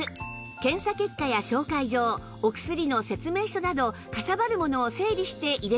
検査結果や紹介状お薬の説明書などかさばるものを整理して入れられます